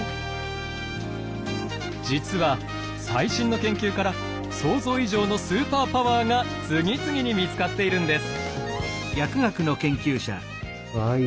実は最新の研究から想像以上のスーパーパワーが次々に見つかっているんです。